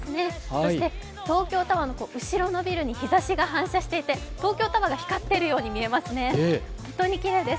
そして東京タワーの後ろのビルに日ざしが反射していて東京タワーが光っているように見えますね、本当にきれいです。